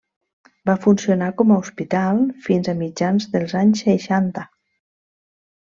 Va funcionar com a Hospital fins a mitjans dels anys seixanta.